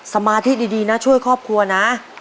สมาธิดีนะช่วยครอบครัวนะ